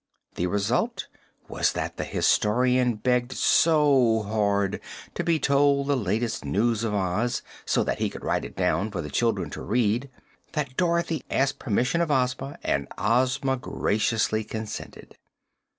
The result was that the Historian begged so hard to be told the latest news of Oz, so that he could write it down for the children to read, that Dorothy asked permission of Ozma and Ozma graciously consented.